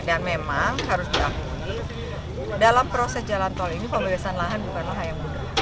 memang harus diakui dalam proses jalan tol ini pembebasan lahan bukanlah hal yang mudah